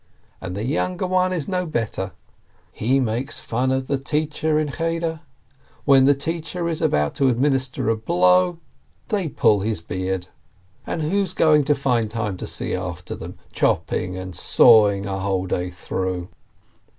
And the younger one is no better: he makes fun of the 64 PEKEZ teacher in Cheder. When the teacher is about to administer a blow, they pull his beard. And who's going to find time to see after them — chopping and sawing a whole day through.